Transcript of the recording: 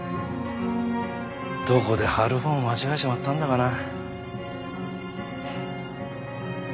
どこで張る方を間違えちまったんだかな。